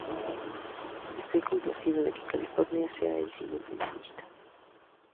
Estoy complacido de que California sea el siguiente en la lista.